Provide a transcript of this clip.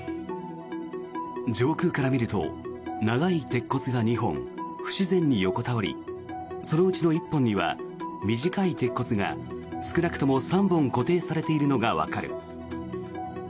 上空から見ると長い鉄骨が２本不自然に横たわりそのうちの１本には短い鉄骨が少なくとも３本固定されているのがわかる。